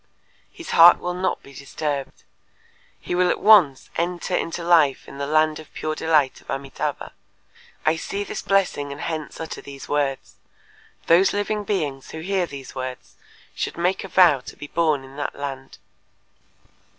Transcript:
His heart will not be disturbed. He will at once enter into life in the land of Pure Delight of Amitâbha. I see this blessing and hence utter these words. Those living beings who hear these words should make a vow to be born in that land."